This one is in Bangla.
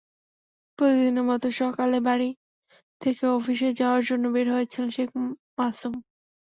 প্রতিদিনের মতো সকালে বাড়ি থেকে অফিসে যাওয়ার জন্য বের হয়েছিলেন শেখ মাসুম।